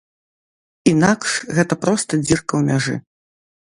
Інакш, гэта проста дзірка ў мяжы.